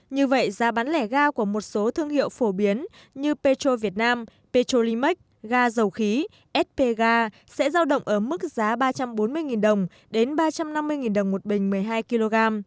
như vậy giá bán lẻ ga của một số thương hiệu phổ biến như petro việt nam petrolimax ga dầu khí spga sẽ giao động ở mức giá ba trăm bốn mươi đồng đến ba trăm năm mươi đồng một bình một mươi hai kg